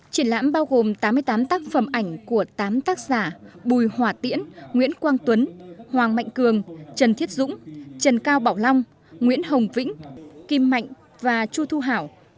triển lãm bao gồm tám mươi tám tác phẩm ảnh của tám tác giả bùi hỏa tiễn nguyễn quang tuấn hoàng mạnh cường trần thiết dũng trần cao bảo long nguyễn hồng vĩnh kim mạnh và chu thu hảo